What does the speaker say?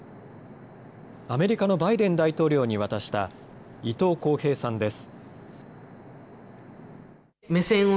アメリカのバイデン大統領に渡した伊東航平さんです。